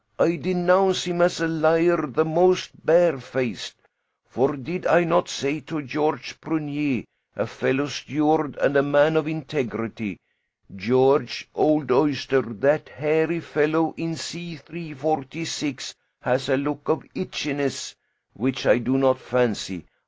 I denounce him as a liar the most barefaced. For did I not say to Georges Prunier a fellow steward and a man of integrity 'Georges, old oyster, that hairy fellow in C 346 has a look of itchiness which I do not fancy.